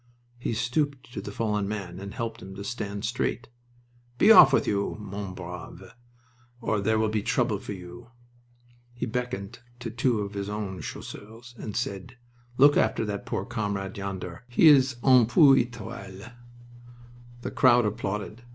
He stooped to the fallen man and helped him to stand straight. "Be off with you, mon brave, or there will be trouble for you." He beckoned to two of his own Chasseurs and said: "Look after that poor comrade yonder. He is un peu etoile." The crowd applauded.